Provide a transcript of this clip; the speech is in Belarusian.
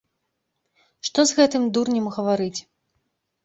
Што з гэтым дурнем гаварыць!